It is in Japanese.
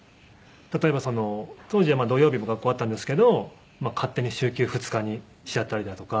例えば当時は土曜日も学校があったんですけど勝手に週休２日にしちゃったりだとか。